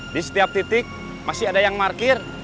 di setiap titik masih ada yang parkir